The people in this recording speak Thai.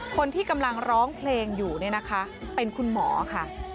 คนที่กำลังร้องเพลงอยู่เป็นคุณหมอค่ะ